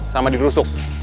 sama di rusuk